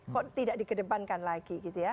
kok tidak dikedepankan lagi